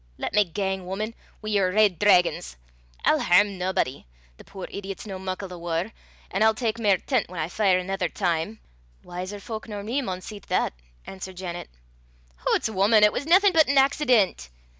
"Lat me gang, wuman, wi' yer reid draigons! I'll hairm naebody. The puir idiot's no muckle the waur, an' I'll tak mair tent whan I fire anither time." "Wiser fowk nor me maun see to that," answered Janet. "Hoots, wuman! it was naething but an accident."